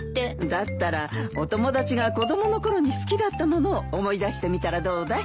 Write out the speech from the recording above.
だったらお友達が子供のころに好きだったものを思い出してみたらどうだい？